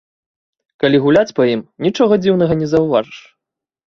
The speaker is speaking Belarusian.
Калі гуляць па ім, нічога дзіўнага не заўважыш.